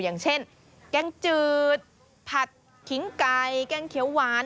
อย่างเช่นแกงจืดผัดขิงไก่แกงเขียวหวาน